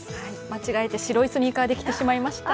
間違えて白いスニーカーで来てしまいました。